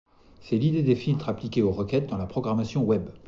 C'est l'idée des filtres appliquée aux requêtes dans la programmation web.